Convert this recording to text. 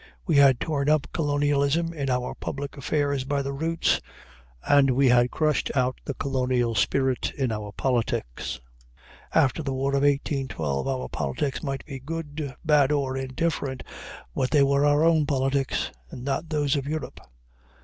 We had torn up colonialism in our public affairs by the roots, and we had crushed out the colonial spirit in our politics. After the war of 1812 our politics might be good, bad, or indifferent, but they were our own politics, and not those of Europe.